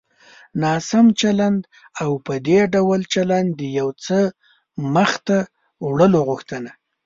ناسم چلند او په دې ډول چلند د يو څه مخته وړلو غوښتنه.